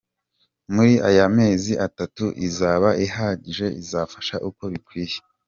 Muri aya mezi atatu izaba ihagije izabafasha uko bikwiye.